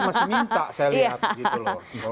gokar masih minta saya lihat